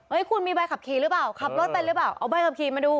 คุณมีใบขับขี่หรือเปล่าขับรถไปหรือเปล่าเอาใบขับขี่มาดู